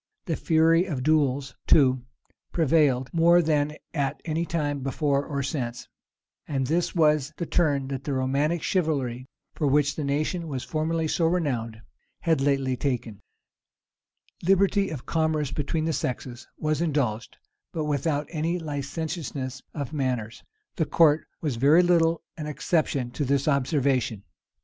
The fury of duels, too, prevailed more than at anytime before or since.[] This was the turn that the romantic chivalry, for which the nation was formerly so renowned, had lately taken. * Essays De profer, fin. imp. Franklyn, p. 5 See also Lord Herbert's Memoirs. Liberty of commerce between the sexes was indulged, but without any licentiousness of manners. The court was very little an exception to this observation.